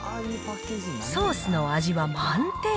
ソースの味は満点。